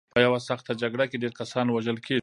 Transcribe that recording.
په یوه سخته جګړه کې ډېر کسان وژل کېږي.